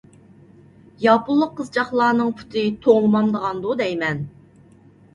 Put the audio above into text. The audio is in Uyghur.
ياپونلۇق قىزچاقلارنىڭ پۇتى توڭلىمامدىغاندۇ دەيمەن.